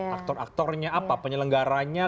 aktor aktornya apa penyelenggaranya